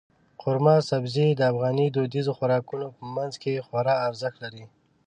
قورمه سبزي د افغاني دودیزو خوراکونو په منځ کې خورا ارزښت لري.